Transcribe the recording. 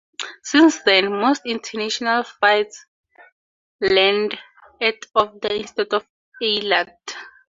Since then, most international flights land at Ovda instead of Eilat.